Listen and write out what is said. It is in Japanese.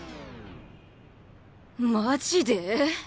マジでぇ？